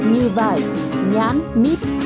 như vải nhán mít